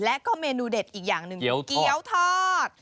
และก็เมนูเด็ดอีกอย่างหนึ่งเกี้ยวทอด